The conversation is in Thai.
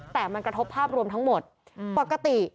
แต่มันกระทบภาพรวมทั้งหมดปกติ